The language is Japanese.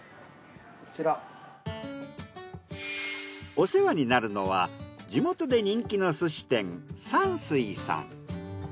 お世話になるのは地元で人気の寿司店山水さん。